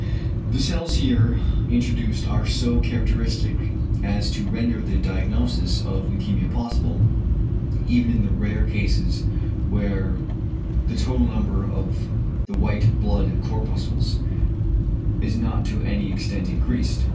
The cells here introduced are so characteristic as to render the diagnosis of leukæmia possible, even in the very rare cases where the total number of the white blood corpuscles is not to any extent increased.